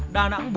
đà nẵng bốn